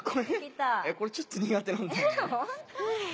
これちょっと苦手なんだよね